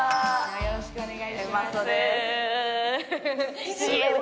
よろしくお願いします